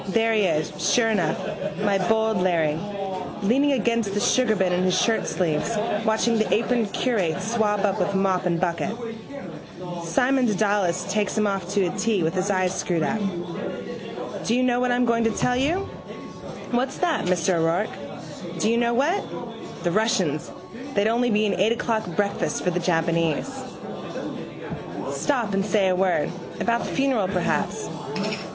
There he is, sure enough, my bold Larry, leaning against the sugarbin in his shirtsleeves watching the aproned curate swab up with mop and bucket. Simon Dedalus takes him off to a tee with his eyes screwed up. Do you know what I'm going to tell you? What's that, Mr O'Rourke? Do you know what? The Russians, they'd only be an eight o'clock breakfast for the Japanese. Stop and say a word: about the funeral perhaps.